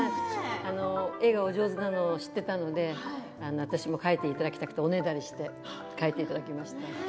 絵がお上手なの知っていたので私も描いていただきたくておねだりして描いていただきました。